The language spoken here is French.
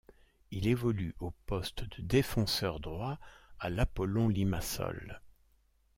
Il évolue au poste de défenseur droit à l'Apollon Limassol.